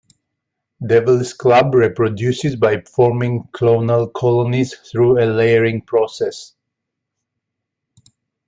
Devil's club reproduces by forming clonal colonies through a layering process.